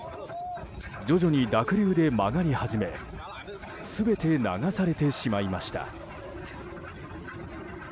徐々に濁流で曲がり始め全て流されてしまいました。